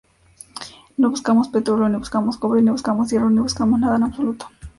No buscamos petróleo, ni buscamos cobre, ni buscamos hierro, ni buscamos nada en absoluto.